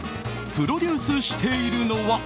プロデュースしているのは。